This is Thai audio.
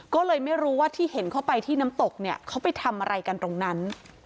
ก็เลยไม่รู้ว่าที่เห็นเข้าไปที่น้ำตกเนี่ยเขาไปทำอะไรกันตรงนั้น